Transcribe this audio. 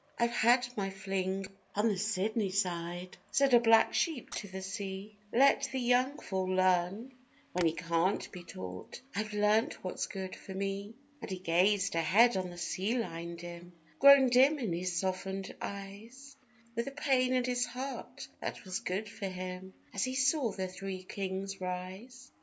'I've had my fling on the Sydney side,' said a black sheep to the sea, 'Let the young fool learn when he can't be taught: I've learnt what's good for me.' And he gazed ahead on the sea line dim grown dim in his softened eyes With a pain in his heart that was good for him as he saw the Three Kings rise.